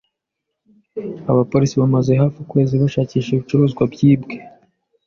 Abapolisi bamaze hafi ukwezi bashakisha ibicuruzwa byibwe.